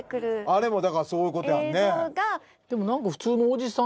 あれもだからそういうことやんね。